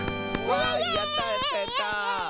わいやったやったやった！